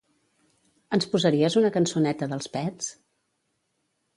Ens posaries una cançoneta d'Els Pets?